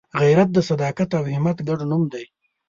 غیرت د صداقت او همت ګډ نوم دی